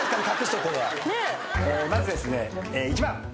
まずですね１番。